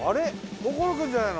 心君じゃないの？